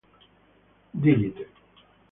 Dig It